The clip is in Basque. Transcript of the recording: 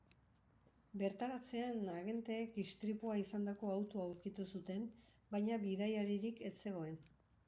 Bertaratzean, agenteek istripua izandako autoa aurkitu zuten, baina bidaiaririk ez zegoen.